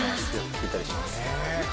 聴いたりします。